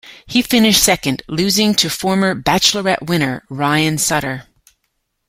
He finished second, losing to former "Bachelorette" winner Ryan Sutter.